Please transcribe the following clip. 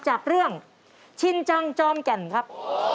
จากเรื่องชินจังจอมแก่นครับ